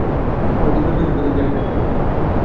আমাদের দুটি হৃদয় কিন্তু একই আত্মা।